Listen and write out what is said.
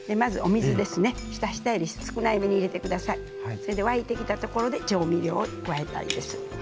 それで沸いてきたところで調味料を加えたいです。